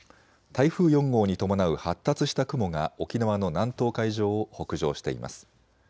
台風４号に伴う発達した雲が沖縄の南東海上を北上しています。